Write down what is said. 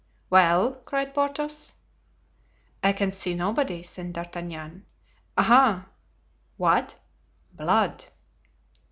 "Well?" cried Porthos. "I can see nobody," said D'Artagnan. "Aha!" "What?" "Blood!"